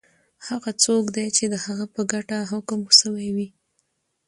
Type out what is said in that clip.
هغه څوک دی چی د هغه په ګټه حکم سوی وی؟